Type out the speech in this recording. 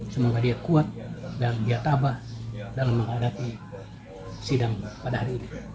semoga dia kuat dan dia tabah dalam menghadapi sidang pada hari ini